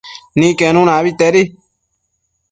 Niquenuna abetedi